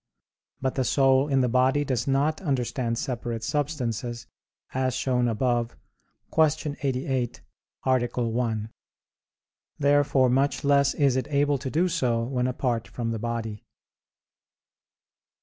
But the soul in the body does not understand separate substances as shown above (Q. 88, A. 1). Therefore much less is it able to do so when apart from the body.